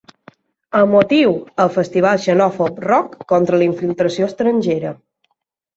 El motiu: el festival xenòfob ‘Rock contra la infiltració estrangera’.